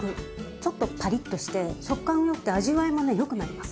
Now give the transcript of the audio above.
ちょっとパリッとして食感もよくて味わいもねよくなります。